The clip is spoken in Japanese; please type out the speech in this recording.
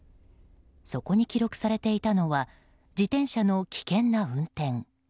そこに記録されていたのは自転車の危険な運転。